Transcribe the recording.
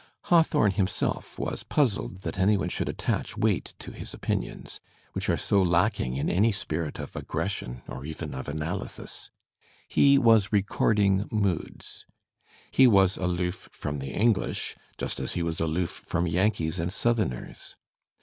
Hawthorne himself was puzzled that any one should attach weight to his opinions, which are so lacking in any spirit of aggression or even of analysis. He was recording moods. He was aloof from the English, just as he was aloof from Yankees and Southerners.